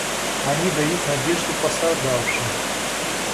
Они дают надежду пострадавшим.